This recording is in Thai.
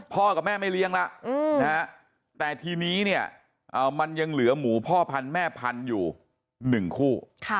กับแม่ไม่เลี้ยงแล้วแต่ทีนี้เนี่ยมันยังเหลือหมูพ่อพันธุ์แม่พันธุ์อยู่๑คู่